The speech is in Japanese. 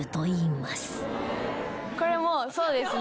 これもそうですね。